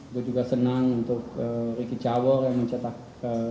gue juga senang untuk ricky cawer yang mencetak